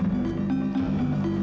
saya tidak tahu tuan